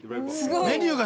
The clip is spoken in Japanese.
メニューが。